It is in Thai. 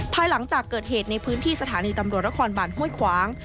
ภายหลังจากเกิดเหตุในพื้นที่สถานีตำรวจนครบานห้วยขวาง